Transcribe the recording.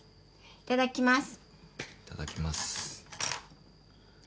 いただきます。